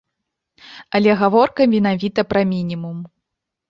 Але гаворка менавіта пра мінімум.